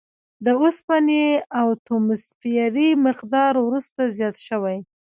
د اوسپنې اتوموسفیري مقدار وروسته زیات شوی.